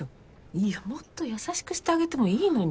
いやもっと優しくしてあげてもいいのに。